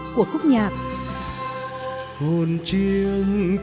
của khúc nhạc